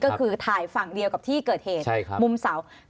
ก็คือถ่ายฝั่งเดียวกับที่เกิดเหตุมุมเสา